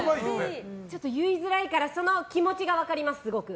ちょっと言いづらいからその気持ちが分かります、すごく。